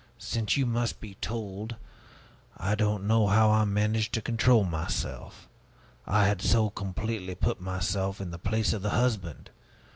since you must be told I don't know how I managed to control myself I had so completely put myself in the place of the husband!